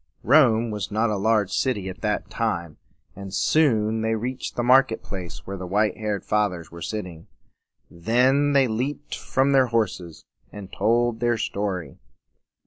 Rome was not a large city at that time; and soon they reached the market place where the white haired Fathers were sitting. Then they leaped from their horses, and told their story.